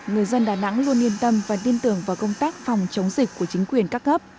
người dân đà nẵng luôn yên tâm và tin tưởng vào công tác phòng chống dịch của chính quyền các cấp